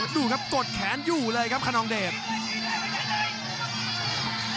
ดูครับกดแขนอยู่เลยครับคนนองเดช